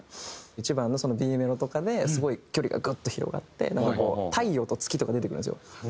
１番のＢメロとかですごい距離がグッと広がって「太陽」と「月」とか出てくるんですよ。